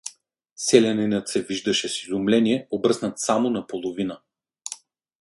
Селянинът се виждаше с изумление обръснат само наполовина.